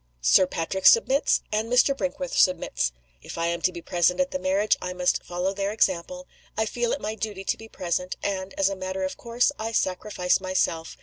Sir Patrick submits; and Mr. Brinkworth submits. If I am to be present at the marriage I must follow their example. I feel it my duty to be present and, as a matter of course, I sacrifice myself.